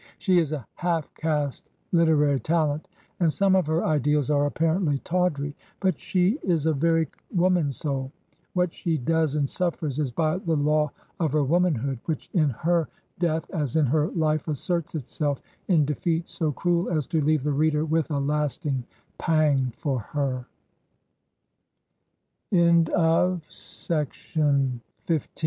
She is a half caste literary talent, and some of her ideals are apparently tawdry ; but she is a very woman soul ; what she does and suffers is by the law of her womanhood, which in her death as in her life asserts itself in defeat so cruel as to leave the reader with a lasting pang for